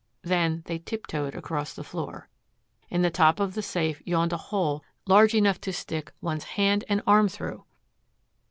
Then they tiptoed across the floor. In the top of the safe yawned a hole large enough to stick one's hand and arm through!